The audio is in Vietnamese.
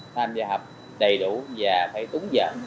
tham gia hợp đầy đủ và phải túng dẫn